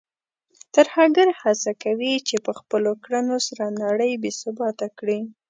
ترهګر هڅه کوي چې په خپلو کړنو سره نړۍ بې ثباته کړي.